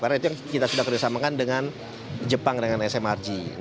karena itu yang kita sudah kerjasamakan dengan jepang dengan smrg